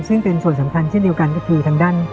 ซึ่งเป็นส่วนสำคัญเช่นเดียวกันก็คือทางด้าน